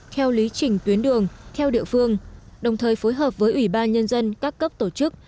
theo lý chỉnh tuyến đường theo địa phương đồng thời phối hợp với ủy ban nhân dân các cấp tổ chức